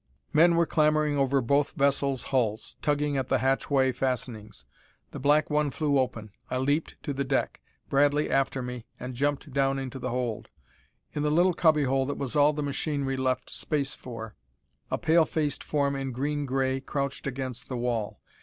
Men were clambering over both vessels' hulls, tugging at the hatchway fastenings. The black one flew open. I leaped to the deck. Bradley after me, and jumped down into the hold. In the little cubby hole that was all the machinery left space for, a pale faced form in green gray crouched against the wall.